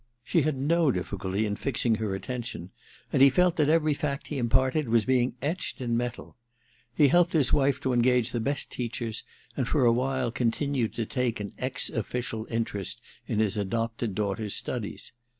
She had no difficulty in fixing her attention, and he felt that every fact he imparted was being etched in metal. He helped his wife to engage the best teachers, and for a while continued to take an ex official interest in his adopted daughter's studies.